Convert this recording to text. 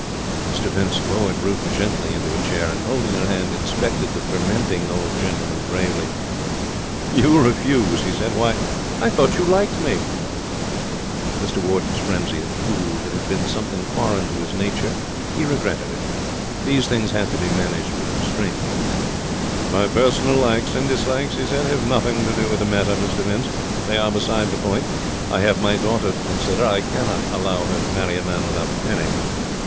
Mr Vince lowered Ruth gently into a chair and, holding her hand, inspected the fermenting old gentleman gravely. 'You refuse?' he said. 'Why, I thought you liked me.' Mr Warden's frenzy had cooled. It had been something foreign to his nature. He regretted it. These things had to be managed with restraint. 'My personal likes and dislikes,' he said, 'have nothing to do with the matter, Mr Vince. They are beside the point. I have my daughter to consider. I cannot allow her to marry a man without a penny.'